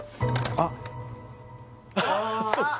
あっ！